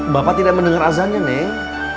bapak tidak mendengar azannya nih